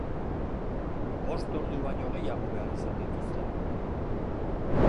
Bost ordu baino gehiago behar izan dituzte.